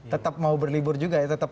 tetap mau berlibur juga ya tetap